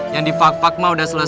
yang di pakpak mah udah selesai nih